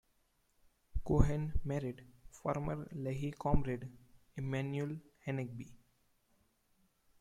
Cohen married former Lehi comrade Emanuel Hanegbi.